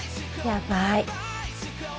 やばい。